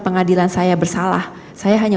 pengadilan saya bersalah saya hanya